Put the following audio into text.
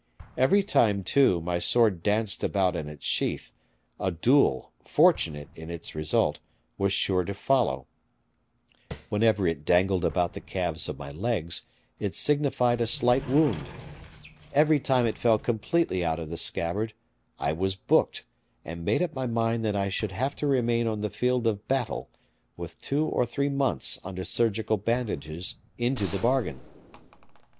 Every time, too, my sword danced about in its sheath, a duel, fortunate in its result, was sure to follow: whenever it dangled about the calves of my legs, it signified a slight wound; every time it fell completely out of the scabbard, I was booked, and made up my mind that I should have to remain on the field of battle, with two or three months under surgical bandages into the bargain."